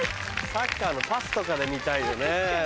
サッカーのパスとかで見たいよね。